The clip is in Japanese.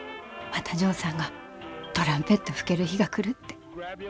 またジョーさんがトランペット吹ける日が来るって。